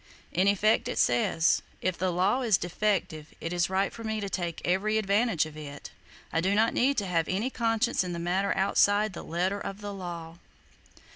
In effect it says: "If the law is defective, it is right for me to take every advantage of it! I do not need to have any conscience in the matter outside the letter of the law."